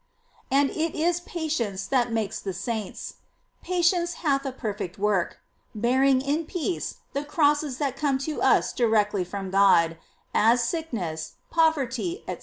" And it is patience that makes the saints: "Patience hath a perfect work,"f bear ing in peace the crosses that come to us directly from God, as sickness, poverty, &c.